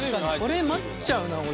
これ待っちゃうな俺。